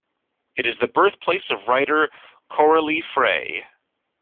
It is the birthplace of writer Coralie Frei.